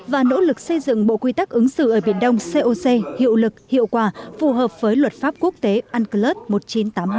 và nỗ lực xây dựng bộ quy tắc ứng xử ở biển đông coc hiệu lực hiệu quả phù hợp với luật pháp quốc tế unclus một nghìn chín trăm tám mươi hai